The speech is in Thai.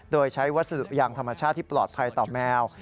โดยใช้วัสดุยางธรรมชาติที่ปลอดภัยต่อแมว